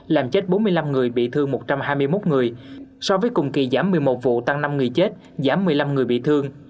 làm chết bốn mươi năm người bị thương một trăm hai mươi một người so với cùng kỳ giảm một mươi một vụ tăng năm người chết giảm một mươi năm người bị thương